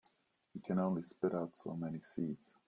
You can only spit out so many seeds.